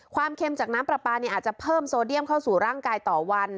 เค็มจากน้ำปลาปลาอาจจะเพิ่มโซเดียมเข้าสู่ร่างกายต่อวัน